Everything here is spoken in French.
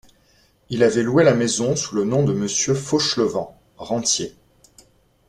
Il avait loué la maison sous le nom de Monsieur Fauchelevent, rentier.